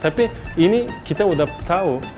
tapi ini kita udah tahu